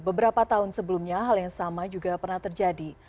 beberapa tahun sebelumnya hal yang sama juga pernah terjadi